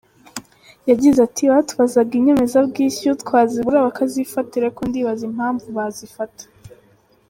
Yagize ati “Batubazaga inyemezabwishyu twazibura bakazifatira ariko ndibaza impamvu bazifata.